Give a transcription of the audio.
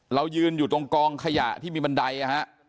เรายืนอยู่ตรงกองขยะที่มีบันไดนะฮะ